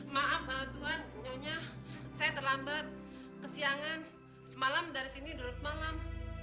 maaf tuhan nyonya saya terlambat kesiangan semalam dari sini duduk malam